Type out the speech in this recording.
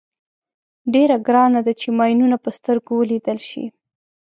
ډېره ګرانه ده چې ماینونه په سترګو ولیدل شي.